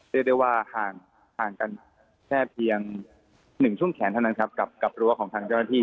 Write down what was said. เรียกได้ว่าห่างกันแค่เพียง๑ช่วงแขนเท่านั้นครับกับรั้วของทางเจ้าหน้าที่